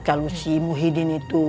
kalau si muhyiddin itu